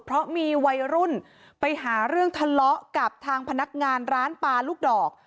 เพราะมีวัยรุ่นไปหาเรื่องทะเลาะกับทางพนักงานร้านปลาลูกดอก